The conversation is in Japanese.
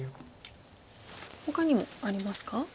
ほかにもありますか？